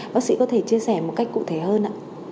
bác sĩ có thể chia sẻ một cách cụ thể hơn ạ